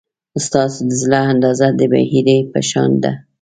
ستاسو د زړه اندازه د بحیرې په شان ده.